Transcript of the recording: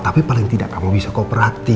tapi kamu harus beroperasi